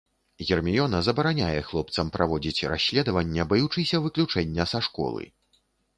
Герміёна забараняе хлопцам праводзіць расследаванне, баючыся выключэння са школы.